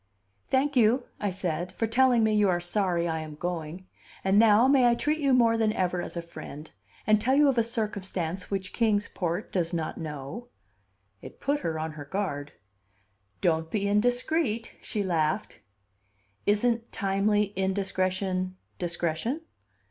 "Thank you," I said, "for telling me you are sorry I am going. And now, may I treat you more than ever as a friend, and tell you of a circumstance which Kings Port does not know?" It put her on her guard. "Don't be indiscreet," she laughed. "Isn't timely indiscretion discretion?"